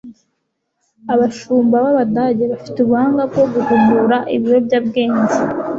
Abashumba b'Abadage bafite ubuhanga bwo guhumura ibiyobyabwenge.